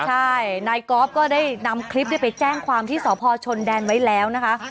ใช่นายกอล์ฟก็ได้นำคลิปไปแจ้งความที่สพชนแดนไว้แล้วนะคะ